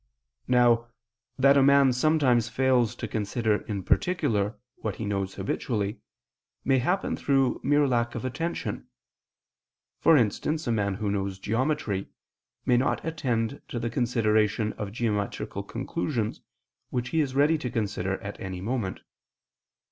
Now, that a man sometimes fails to consider in particular what he knows habitually, may happen through mere lack of attention: for instance, a man who knows geometry, may not attend to the consideration of geometrical conclusions, which he is ready to consider at any moment.